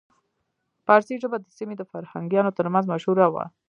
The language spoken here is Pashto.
پارسي ژبه د سیمې د فرهنګیانو ترمنځ مشهوره وه